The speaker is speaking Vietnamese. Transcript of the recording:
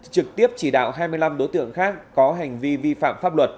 trực tiếp chỉ đạo hai mươi năm đối tượng khác có hành vi vi phạm pháp luật